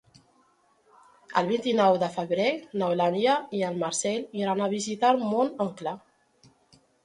El vint-i-nou de febrer n'Eulàlia i en Marcel iran a visitar mon oncle.